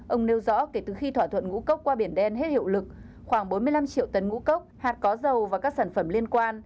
ông nêu rõ kể từ khi thỏa thuận ngũ cốc qua biển đen hết hiệu lực khoảng bốn mươi năm triệu tấn ngũ cốc hạt có dầu và các sản phẩm liên quan